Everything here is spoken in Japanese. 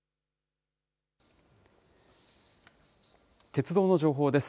鉄道の情報です。